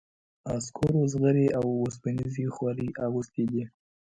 عسکرو زغرې او اوسپنیزې خولۍ اغوستي دي.